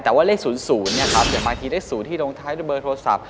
แต่ว่าเลข๐๐เนี่ยครับแต่ปลาทีเลข๐ที่ลงท้ายด้วยเบอร์โทรศัพท์